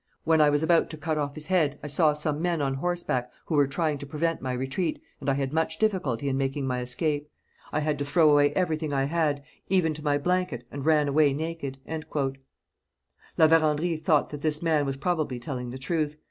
'When I was about to cut off his head, I saw some men on horseback, who were trying to prevent my retreat, and I had much difficulty in making my escape. I had to throw away everything I had, even to my blanket, and ran away naked.' La Vérendrye thought that this man was probably telling the truth.